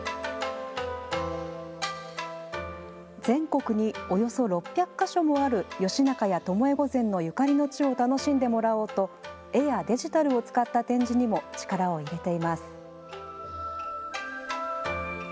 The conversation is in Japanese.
全国におよそ６００か所もある、義仲や巴御前のゆかりの地を楽しんでもらおうと、絵やデジタルを使った展示にも力を入れています。